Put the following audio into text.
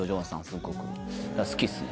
すごく好きっすね